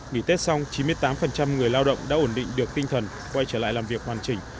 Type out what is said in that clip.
nghỉ tết xong chín mươi tám người lao động đã ổn định được tinh thần quay trở lại làm việc hoàn chỉnh